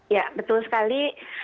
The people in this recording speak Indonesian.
ya betul sekali